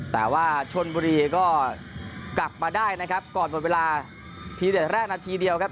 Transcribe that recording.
แต่ว่าชนบุรีก็กลับมาได้นะครับก่อนหมดเวลาเพียงแต่แรกนาทีเดียวครับ